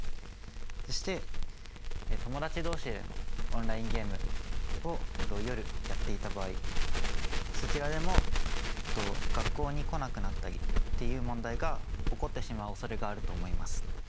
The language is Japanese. そして友達同士でのオンラインゲームを夜やっていた場合そちらでも学校に来なくなったりっていう問題が起こってしまうおそれがあると思います。